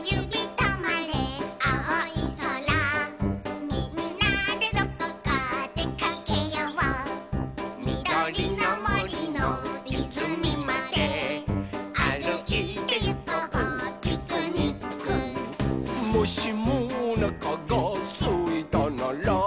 とまれあおいそら」「みんなでどこかでかけよう」「みどりのもりのいずみまであるいてゆこうピクニック」「もしもおなかがすいたなら」